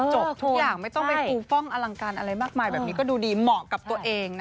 จบทุกอย่างแล้วก็ดูดิเหมาะกับตัวเอง